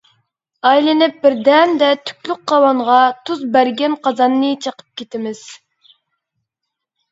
ئايلىنىپ بىردەمدە تۈكلۈك قاۋانغا، تۇز بەرگەن قازاننى چېقىپ كىتىمىز.